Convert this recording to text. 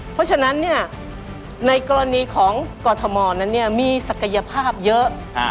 เพราะฉะนั้นในกรณีของกรทมนั้นมีศักยภาพเยอะ